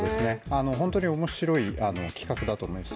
本当に面白い企画だと思います。